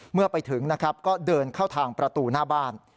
เมื่อไปถึงนะครับก็เดินเข้าทางประตูหน้าบ้าน